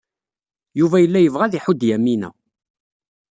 Yuba yella yebɣa ad iḥudd Yamina.